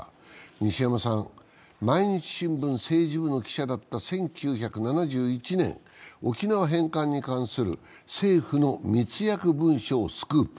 西山さん、毎日新聞政治部の記者だった１９７１年、沖縄返還に関する政府の密約文書をスクープ。